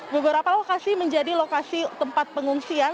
beberapa lokasi menjadi lokasi tempat pengungsian